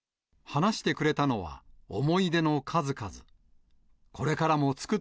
話してくれたのは、思い出の数々。